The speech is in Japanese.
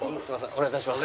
お願い致します。